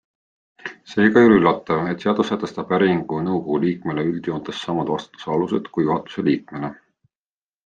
Seega ei ole üllatav, et seadus sätestab äriühingu nõukogu liikmele üldjoontes samad vastutuse alused kui juhatuse liikmele.